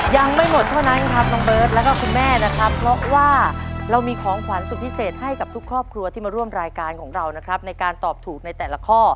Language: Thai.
ยังไม่หมดเท่านั้นครับน้องเบิร์ตแล้วก็คุณแม่นะครับเพราะว่าเรามีของขวัญสุดพิเศษให้กับทุกครอบครัวที่มาร่วมรายการของเรานะครับในการตอบถูกในแต่ละข้อ